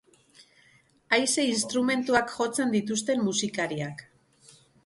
Haize instrumentuak jotzen dituzten musikariak.